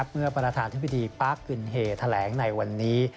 เมื่อประธานธิบดีปาร์คกึนเฮแถลงในวันนี้